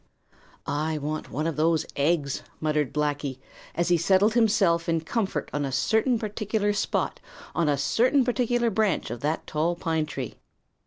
"I want one of those eggs," muttered Blacky, as he settled himself in comfort on a certain particular spot on a certain particular branch of that tall pine tree.